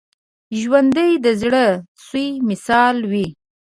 ژوندي د زړه سوي مثال وي